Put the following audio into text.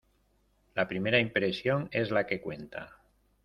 La primera impresión es la que cuenta.